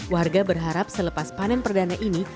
warga berharap selepas panen perdana ini